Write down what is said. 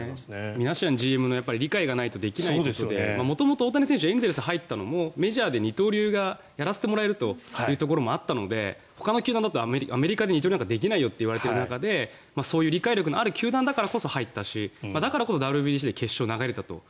ミナシアンＧＭの理解がないとできないことで元々、大谷選手はエンゼルスが入ったのもメジャーで二刀流がやらせてもらえるというところがあったのでほかの球団だとアメリカで二刀流なんてできないよと言われる中でそういう理解力のある球団だからこそ入ったしだからこそＷＢＣで投げれたと。